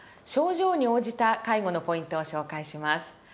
症状に応じた介護のポイントを紹介します。